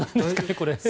これ。